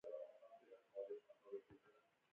تقسیم ښکاري.